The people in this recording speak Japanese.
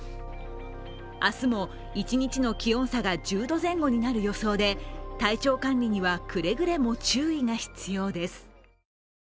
明日も一日の気温差が１０度前後になる予想で、体調管理にはくれぐれも注意が必要です。